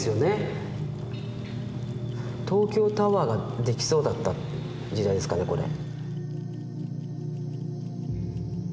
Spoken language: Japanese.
東京タワーができそうだった時代ですかねこれ。